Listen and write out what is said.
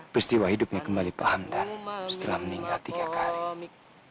peristiwa hidupnya kembali paham dan setelah meninggal tiga kali